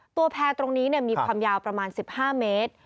แพร่ตรงนี้มีความยาวประมาณ๑๕เมตร